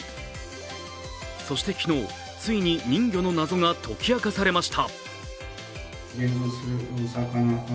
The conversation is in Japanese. そして昨日ついに人魚の謎が解き明かされました。